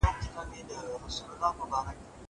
په زندان کي ئې د يوسف عليه السلام څخه د خوب تعبير وپوښتی.